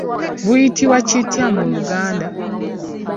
Buyitibwa kitya mu Luganda?